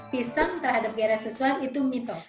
pisang terhadap gairah seksual itu mitos